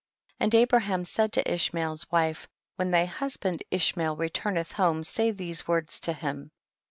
30. And Abraham said to Ish mael's wife, when thy husband Ish mael returneth home say these words to him.